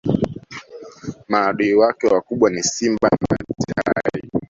maadui wake wakubwa ni simba na tai